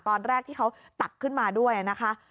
ตอนแรกที่เขาตักขึ้นมาด้วยนะคะ